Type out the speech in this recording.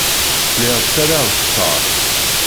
Lliɣ ttarraɣ-d ttaṛ.